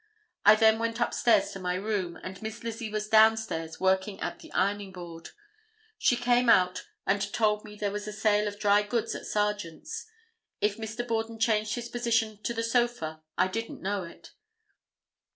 I then went upstairs to my room, and Miss Lizzie was down stairs working at the ironing board. She came out and told me there was a sale of dry goods at Sargent's. If Mr. Borden changed his position to the sofa, I didn't know it.